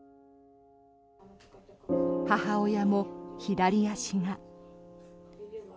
母親も左足が。